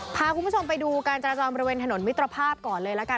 พาคุณผู้ชมไปดูการจราจรบริเวณถนนมิตรภาพก่อนเลยละกัน